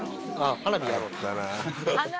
花火やろうって。